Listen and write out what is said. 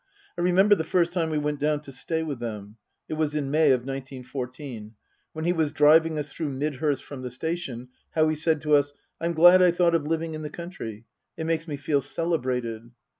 I remember the first time we went down to stay with them (it was in May of nineteen fourteen), when he was driving us through Midhurst from the station, how he said to us, " I'm glad I thought of living in the country. It makes me feel celebrated."